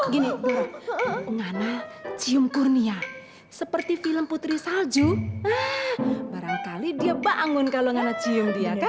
gini buruk ngana cium kurnia seperti film putri salju barangkali dia bangun kalau ngana cium dia kan